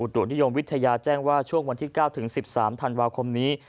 ตุนิยมวิทยาแจ้งว่าช่วงวันที่๙ถึง๑๓ธันวาคมนี้